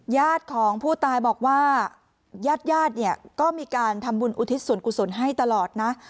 ญาติของผู้ตายบอกว่าญาติญาติเนี่ยก็มีการทำบุญอุทิศส่วนกุศลให้ตลอดนะ